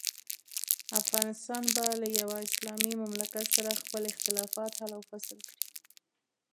افغانستان به له یوه اسلامي مملکت سره خپل اختلافات حل او فصل کړي.